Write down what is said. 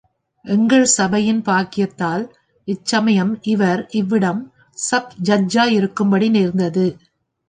எங்கள் சபையின் பாக்கியத்தால் இச்சமயம் இவர் இவ்விடம் சப் ஜட்ஜாயிருக்கும்படி நேர்ந்தது.